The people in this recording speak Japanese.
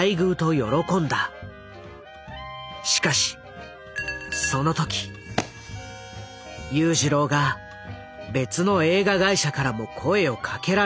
しかしその時裕次郎が「別の映画会社からも声をかけられている」と口を挟んだ。